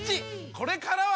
これからは！